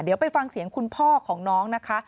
เดี๋ยวไปฟังเสียงคุณพ่อของน้องนะคะ